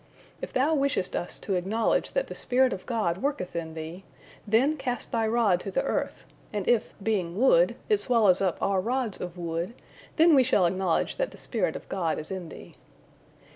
If thou wishest us to acknowledge that the spirit of God worketh in thee, then cast thy rod to the earth, and if, being wood, it swallows up our rods of wood, then we shall acknowledge that the spirit of God is in thee."